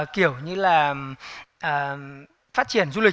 kiểu như là phát triển du lịch